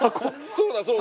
そうだそうだ。